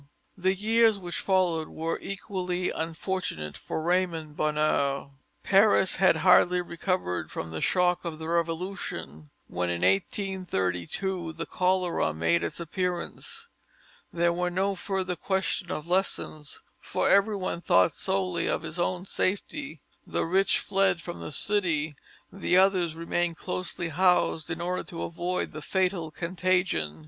The years which followed were equally unfortunate for Raymond Bonheur: Paris had hardly recovered from the shock of the Revolution, when in 1832 the cholera made its appearance. There was no further question of lessons, for everyone thought solely of his own safety; the rich fled from the city, the others remained closely housed in order to avoid the fatal contagion.